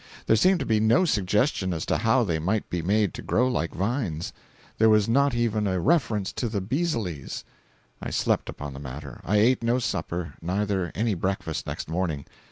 There seemed to be no suggestion as to how they might be made to grow like vines. There was not even a reference to the Beazeleys. I slept upon the matter; I ate no supper, neither any breakfast next morning.